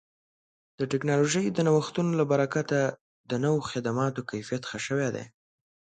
د ټکنالوژۍ د نوښتونو له برکته د نوو خدماتو کیفیت ښه شوی دی.